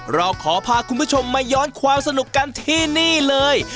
เราขอพาคุณผู้ชมมาย้อนความสนุกกันที่นี่เลย